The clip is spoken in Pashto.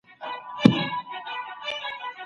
هر څوک له دې کيسې څخه يو درس اخلي په خپل ذهن.